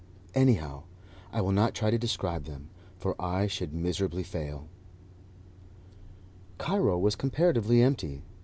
Anyhow, I will not try to describe them, for I should miserably fail. Cairo was comparatively empty.